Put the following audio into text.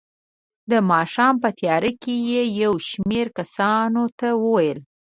د ماښام په تیاره کې یې یو شمېر کسانو ته وویل.